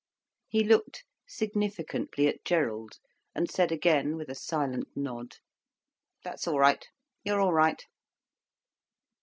He looked significantly at Gerald, and said again, with a silent nod: "That's all right—you're all right."